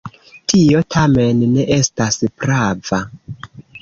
Tio tamen ne estas prava.